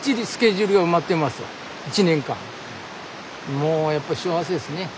もうやっぱ幸せですね。